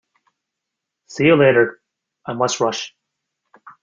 See you later. I must rush.